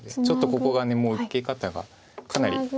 ちょっとここが受け方がかなり。